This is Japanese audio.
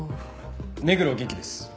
目黒元気です。